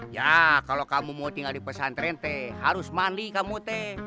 ya kalau kamu mau tinggal di pesantren teh harus mandi kamu teh